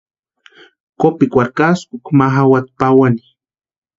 Kopikwarhu káskukwa ma jawati pawani.